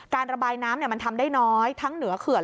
ระบายน้ำมันทำได้น้อยทั้งเหนือเขื่อน